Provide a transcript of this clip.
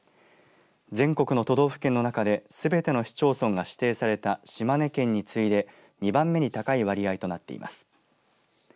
全国の都道府県の中ですべての市町村が指定された島根県についで２番目に高い割合となっています。